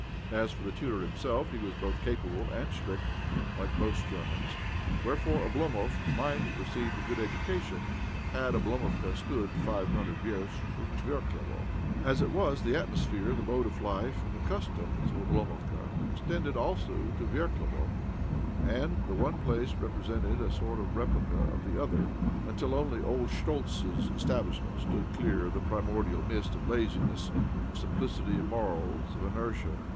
As for the tutor himself, he was both capable and stript OBLOMOV 119 — like most Germans ; whferefore Oblomov might have received a good education had Oblomovka stood five hundred versts from' Verklevo. As it was, the atmosphere, the mode of life, and the customs of Oblo movka extended also to Verklevo, and the one place represented a sort of replica of the other, until only old Schtoltz's establish | ment stood clear of the primordial mist of laziness, of simplicity of morals, of inertia